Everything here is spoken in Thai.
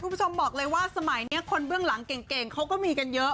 คุณผู้ชมบอกเลยว่าสมัยนี้คนเบื้องหลังเก่งเขาก็มีกันเยอะ